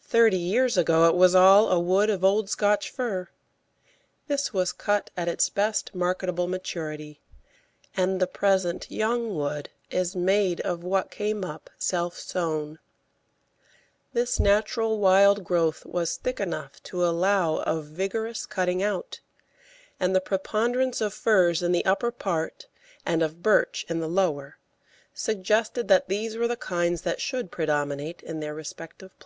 Thirty years ago it was all a wood of old Scotch fir. This was cut at its best marketable maturity, and the present young wood is made of what came up self sown. This natural wild growth was thick enough to allow of vigorous cutting out, and the preponderance of firs in the upper part and of birch in the lower suggested that these were the kinds that should predominate in their respective places.